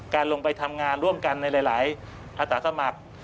ลงไปทำงานร่วมกันในหลายอาสาสมัคร